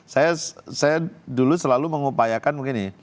saya dulu selalu mengupayakan begini